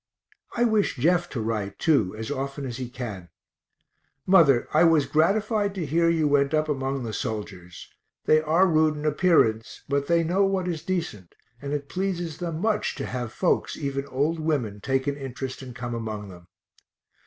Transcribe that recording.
I wish Jeff to write too, as often as he can. Mother, I was gratified to hear you went up among the soldiers they are rude in appearance, but they know what is decent, and it pleases them much to have folks, even old women, take an interest and come among them.